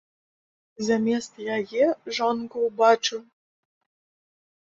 Замест яе жонку ўбачыў.